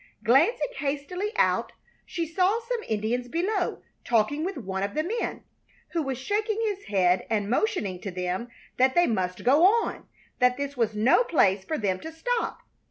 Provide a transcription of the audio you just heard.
Glancing hastily out, she saw some Indians below, talking with one of the men, who was shaking his head and motioning to them that they must go on, that this was no place for them to stop.